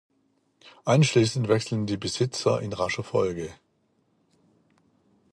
Anschließend wechselten die Besitzer in rascher Folge.